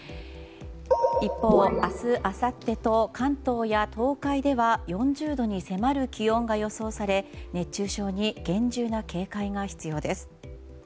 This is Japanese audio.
一方、明日、あさってと関東や東海では４０度に迫る気温が予想され熱中症に厳重な警戒が必要です。